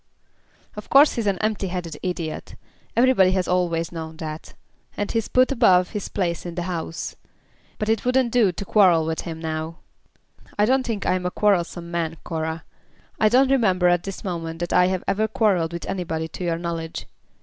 "Of course he's an empty headed idiot. Everybody has always known that. And he's put above his place in the House. But it wouldn't do to quarrel with him now." "I don't think I am a quarrelsome man, Cora. I don't remember at this moment that I have ever quarrelled with anybody to your knowledge.